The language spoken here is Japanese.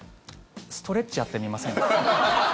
ストレッチやってみませんか？